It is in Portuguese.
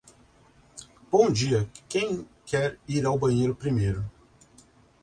Bom dia, quem quer ir ao primeiro banheiro?